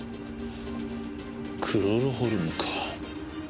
クロロホルムか。